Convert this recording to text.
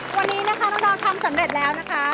วันนี้นะคะน้องดาวทำสำเร็จแล้วนะคะ